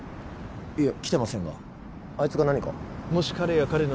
いえ来てませんがあいつが何か？